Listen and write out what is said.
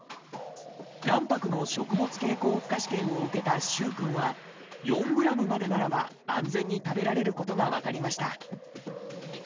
卵白の食物経口負荷試験を受けた萩くんは４ｇまでならば安全に食べられることが分かりました